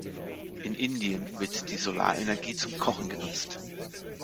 In Indien wird die Solarenergie zum Kochen genutzt.